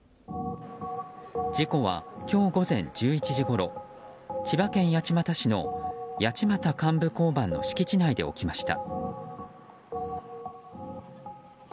事故は今日午前１１時ごろ千葉県八街市の八街幹部交番の敷地内で起きました。